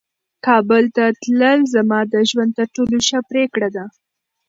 کابل ته تلل زما د ژوند تر ټولو ښه پرېکړه وه.